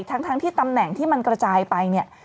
ทั้งที่ตำแหน่งที่มันกระจายไปเนี่ย